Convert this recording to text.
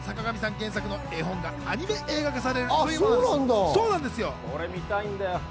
原作の絵本がアニメ映画化されたものです。